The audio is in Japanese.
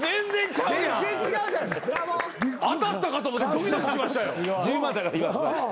当たったかと思ってドキドキしましたよ。